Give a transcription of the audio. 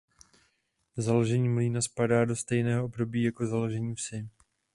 Založení mlýna spadá do stejného období jako založení vsi.